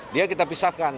dia kita pisahkan